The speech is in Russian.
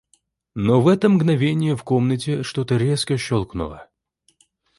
Но в это мгновение в комнате что-то резко щелкнуло.